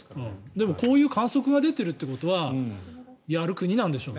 でもこういう観測が出てるということはやる国なんでしょうね。